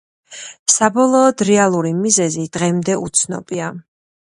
საბოლოოდ, რეალური მიზეზი დღემდე უცნობია.